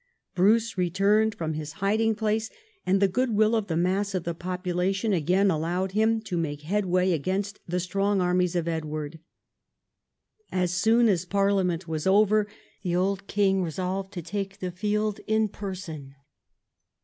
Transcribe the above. Bruce returned from his hiding place, and the good will of the mass of the population again allowed him to make headway against the strong armies of Edward. As soon as parliament was over, the old king resolved to take the field in person.